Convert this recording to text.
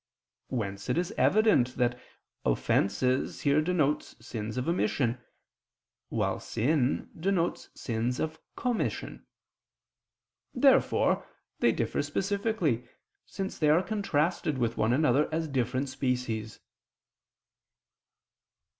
Whence it is evident that "offenses" here denotes sins of omission; while "sin" denotes sins of commission. Therefore they differ specifically, since they are contrasted with one another as different species.